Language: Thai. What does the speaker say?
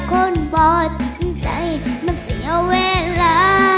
คนบ่จริงใจมันเสียเวลา